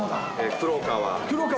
黒川。